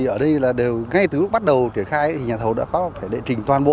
ở đây là đều ngay từ lúc bắt đầu triển khai thì nhà thầu đã có thể đệ trình toàn bộ